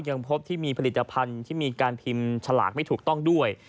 ยังพบที่มีผลิตภัณฑ์ที่มีการพิมพ์ฉลากไม่ถูกต้องด้วย